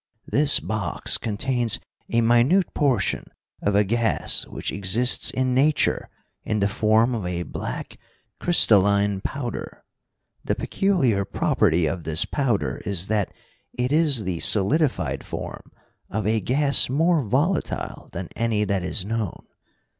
"This box contains a minute portion of a gas which exists in nature in the form of a black, crystalline powder. The peculiar property of this powder is that it is the solidified form of a gas more volatile than any that is known.